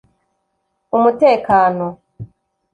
umutekano